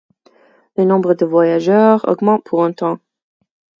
Le nombre de voyageurs augmente pour un temps.